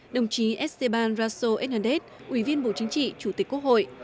đồng chí esteban raso hernandez ủy viên bộ chính trị chủ tịch quốc hội